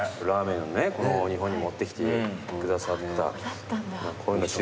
ラーメンを日本に持ってきてくださった。